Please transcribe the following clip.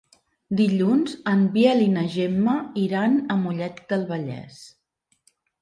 Dilluns en Biel i na Gemma iran a Mollet del Vallès.